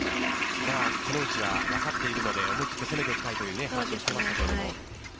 手の内は分かっているので思い切って攻めていきたいという話をしていましたけどね。